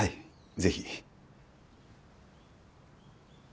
ぜひ。